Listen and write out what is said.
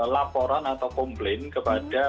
laporan atau komplain kepada